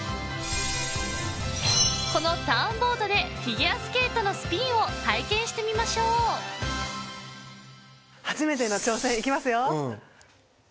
このターンボードでフィギュアスケートのスピンを体験してみましょう初めての挑戦いきますようん？